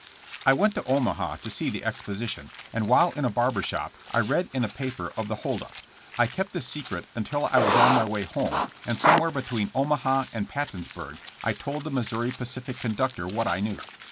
I went to Omaha to see the exposition, and while in a barber shop I read in a paper of the hold up. I kept the secret until I was on my way home, and somewhere between Omaha and Pattonsburg I told the Missouri Pacific conductor what I knew.